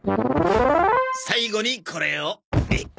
最後にこれを。